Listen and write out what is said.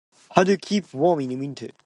How do you keep warm in the winter?